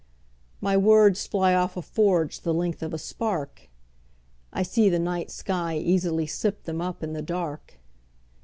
My words fly off a forgeThe length of a spark;I see the night sky easily sip themUp in the dark.